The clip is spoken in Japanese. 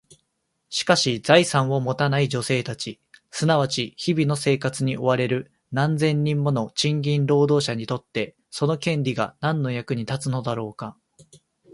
しかし、財産を持たない女性たち、すなわち日々の生活に追われる何千人もの賃金労働者にとって、その権利が何の役に立つのだろうか？